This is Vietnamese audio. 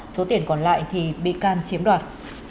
số tiền còn lại thì bị can chiếm đoạt